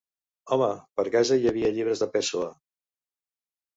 Home, per casa hi havia llibres de Pessoa.